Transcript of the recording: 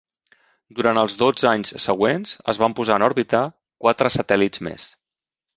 Durant els dotze anys següents, es van posar en òrbita quatre satèl·lits més.